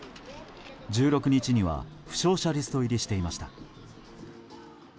１６日には負傷者リスト入りしていました。